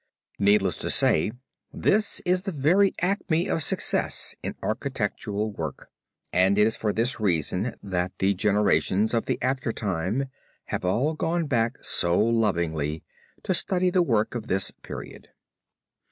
Needless to say, this is the very acme of success in architectural work, and it is for this reason that the generations of the after time have all gone back so lovingly to study the work of this period.